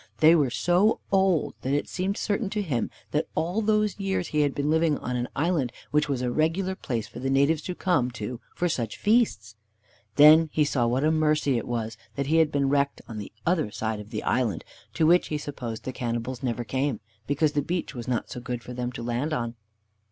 They were so old that it seemed certain to him that all those years he had been living on an island which was a regular place for the natives to come to for such feasts. Then he saw what a mercy it was that he had been wrecked on the other side of the island, to which, he supposed, the cannibals never came, because the beach was not so good for them to land on.